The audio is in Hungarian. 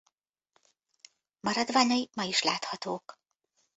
Maradványai ma is láthatók.